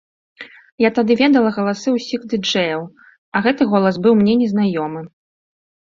Я тады ведала галасы ўсіх ды-джэяў, а гэты голас быў мне незнаёмы.